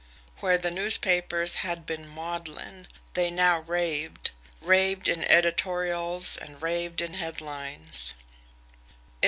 Where the newspapers had been maudlin, they now raved raved in editorials and raved in headlines.